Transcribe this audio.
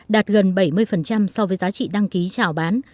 đạt gần bảy mươi so với giá trị đăng ký trảo bán